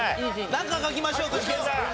なんか書きましょう具志堅さん。